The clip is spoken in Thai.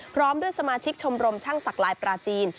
พร้อมด้วยสมาชิกชมรมช่างศักดิ์ลายปลาจีน